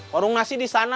wurung nasi di sana